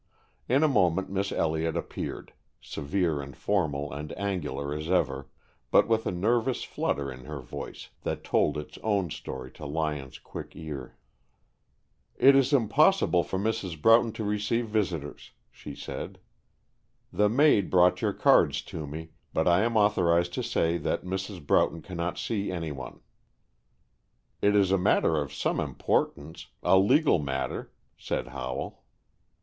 In a moment Miss Elliott appeared, severe and formal and angular as ever, but with a nervous flutter in her voice that told its own story to Lyon's quick ear. "It is impossible for Mrs. Broughton to receive visitors," she said. "The maid brought your cards to me, but I am authorized to say that Mrs. Broughton cannot see anyone." "It is a matter of some importance, a legal matter," said Howell.